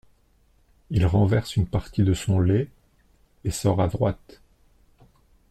Il renverse une partie de son lait et sort à droite.